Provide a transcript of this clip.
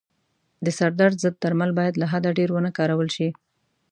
د سردرد ضد درمل باید له حده ډېر و نه کارول شي.